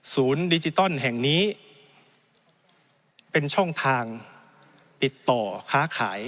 ดิจิตอลแห่งนี้เป็นช่องทางติดต่อค้าขาย